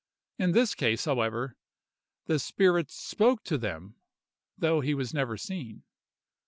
In this case, however, the spirit spoke to them, though he was never seen.